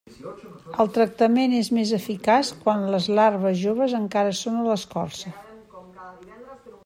El tractament és més eficaç quan les larves joves encara són a l'escorça.